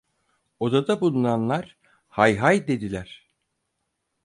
Odada bulunanlar: "Hay hay!" dediler.